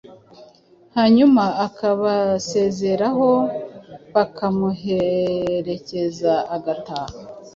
hanyuma akabasezeraho, bakamuherekeza agataha.